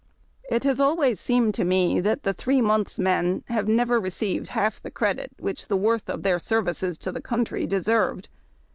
It has always seemed to me that the '• Three months men '" have never received half the credit which the worth of their services to the country deserved.